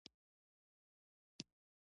زموږ په غره کي د اوبښتي وني ډېري دي.